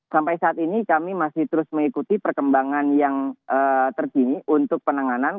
sampai saat ini kami masih terus mengikuti perkembangan yang terkini untuk penanganan